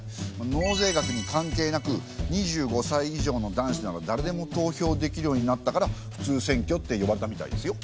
納税額に関係なく２５歳以上の男子ならだれでも投票できるようになったから「普通選挙」って呼ばれたみたいですよ。